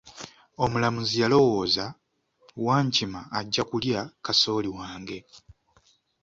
Omulamuzi yalowooza, Wankima ajja kulya kasooli wange.